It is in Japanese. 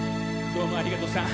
どうもありがとさん。